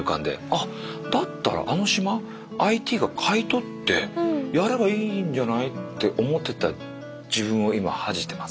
あだったらあの島ＩＴが買い取ってやればいいんじゃないって思ってた自分を今恥じてます。